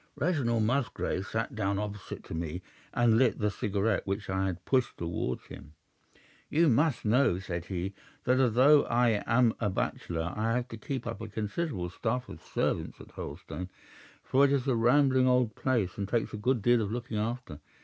"Reginald Musgrave sat down opposite to me, and lit the cigarette which I had pushed towards him. "'You must know,' said he, 'that though I am a bachelor, I have to keep up a considerable staff of servants at Hurlstone, for it is a rambling old place, and takes a good deal of looking after.